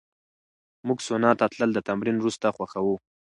موږ سونا ته تلل د تمرین وروسته خوښوو.